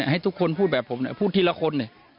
ให้ทุกคนพูดแบบผมพูดทีละคน